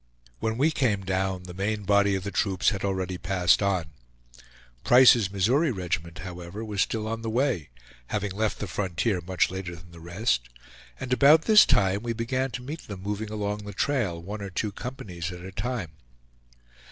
When we came down the main body of the troops had already passed on; Price's Missouri regiment, however, was still on the way, having left the frontier much later than the rest; and about this time we began to meet them moving along the trail, one or two companies at a time.